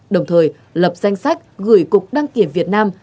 đồng thời lập danh sách gửi cục đăng kiểm việt nam